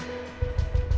nanti andien jadi sedih lagi